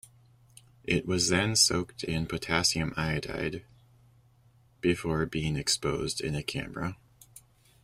It was then soaked in potassium iodide before being exposed in a camera.